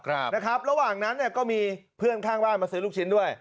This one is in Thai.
ระหว่างนั้นก็มีเพื่อนข้างบ้านมาซื้อลูกชิ้นด้วย